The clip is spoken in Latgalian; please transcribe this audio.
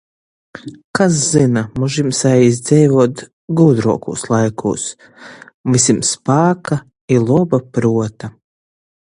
Kas zyna, moš jim saīs dzeivuot gudruokūs laikūs... Vysim spāka i loba pruota!!!